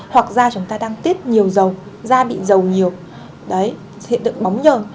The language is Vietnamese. hoặc da chúng ta đang tiết nhiều dầu da bị dầu nhiều hiện tượng bóng nhờn